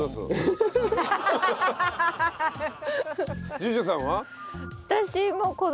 ＪＵＪＵさんは？